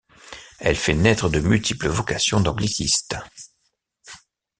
Elle fait naître de multiples vocations d'anglicistes.